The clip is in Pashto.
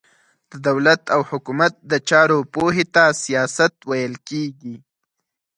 د دولت او حکومت د چارو پوهي ته سياست ويل کېږي.